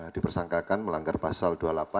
dipersangkakan melanggar pasal dua puluh delapan